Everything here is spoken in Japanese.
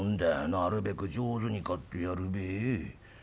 なるべく上手に刈ってやるべえ。